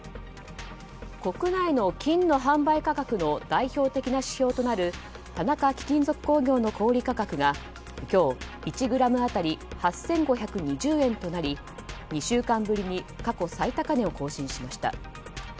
国内の金の販売価格の代表的な指標となる田中貴金属工業の小売価格が今日１ｇ当たり８５２０円となり２週間ぶりに過去最高値を更新しました。